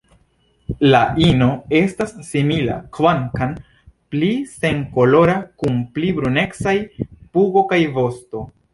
La ino estas simila, kvankam pli senkolora kun pli brunecaj pugo kaj vosto.